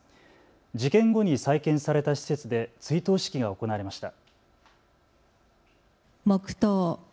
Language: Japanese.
事件後に再建された施設で追悼式が行われました。